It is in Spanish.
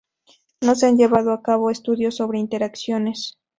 No se han llevado a cabo estudios sobre interacciones.